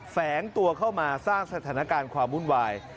แฝงตัวเข้ามาสร้างสถานการณ์ความวุ่นวาย